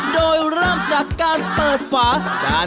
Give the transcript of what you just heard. โดยเริ่มจากการเปิดฝา